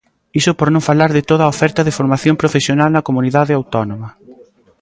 Iso por non falar de toda a oferta de formación profesional na comunidade autónoma.